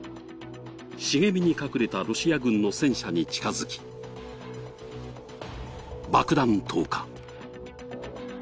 茂みに隠れたロシア軍の戦車に近づき、爆弾投下。